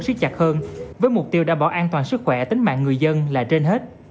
siết chặt hơn với mục tiêu đảm bảo an toàn sức khỏe tính mạng người dân là trên hết